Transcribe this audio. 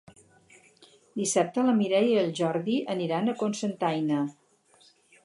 Dissabte na Mireia i en Jordi aniran a Cocentaina.